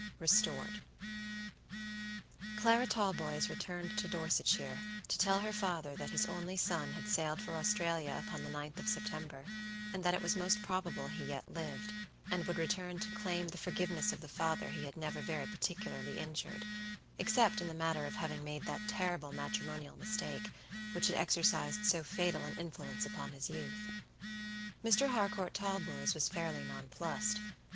RESTORED. Clara Talboys returned to Dorsetshire, to tell her father that his only son had sailed for Australia upon the 9th of September, and that it was most probable he yet lived, and would return to claim the forgiveness of the father he had never very particularly injured; except in the matter of having made that terrible matrimonial mistake which had exercised so fatal an influence upon his youth. Mr. Harcourt Talboys was fairly nonplused.